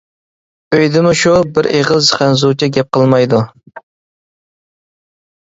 ئۆيدىمۇ شۇ، بىر ئېغىز خەنزۇچە گەپ قىلمايدۇ.